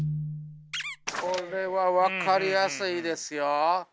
これは分かりやすいですよ。